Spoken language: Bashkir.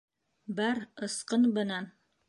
— Бар, ысҡын бынан!